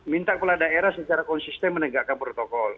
minta kepala daerah secara konsisten menegakkan protokol